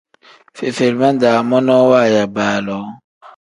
Fefelima-daa monoo waaya baaloo.